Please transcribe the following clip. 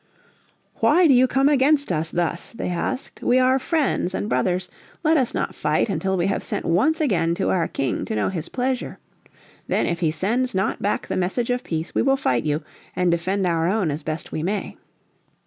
"Why do you come against us thus?" they asked. "We are friends and brothers. Let us not fight until we have sent once again to our King to know his pleasure. Then if he sends not back the message of peace we will fight you and defend our own as best we may."